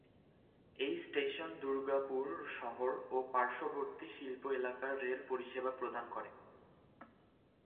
এই স্টেশন দুর্গাপুর শহর ও পার্শবর্তী শিল্প এলাকার রেল পরিসেবা প্রদান করে।